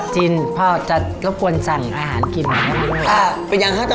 จินพ่อจะควรสั่งอาหารกินมาให้ดื่มเหรอ